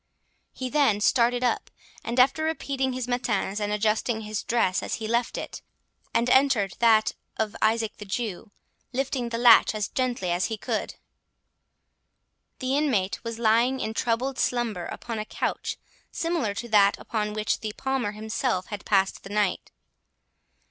He then started up, and after repeating his matins, and adjusting his dress, he left it, and entered that of Isaac the Jew, lifting the latch as gently as he could. The inmate was lying in troubled slumber upon a couch similar to that on which the Palmer himself had passed the night.